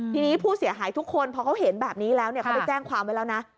ทีนี้ผู้เสียหายทุกคนพอเขาเห็นแบบนี้แล้วเขาไปแจ้งความไว้แล้วนะ